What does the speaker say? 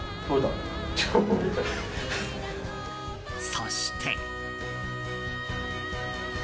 そして。